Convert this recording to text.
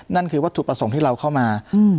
นั่นคือวัตถุประสงค์ที่เราเข้ามา